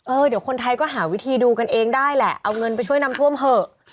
เดี๋ยวคนไทยก็หาวิธีดูกันเองได้แหละเอาเงินไปช่วยน้ำท่วมเถอะ